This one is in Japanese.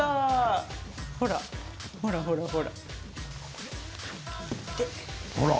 ほら、ほらほらほら。